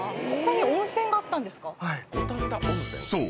［そう。